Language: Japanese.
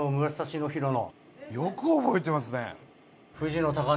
よく覚えてますね！